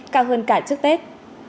cao hơn cả trước tết